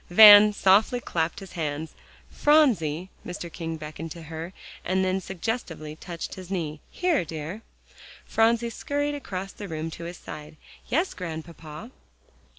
Van softly clapped his hands. "Phronsie," Mr. King beckoned to her, and then suggestively touched his knee, "here, dear." Phronsie scurried across the room to his side. "Yes, Grandpapa."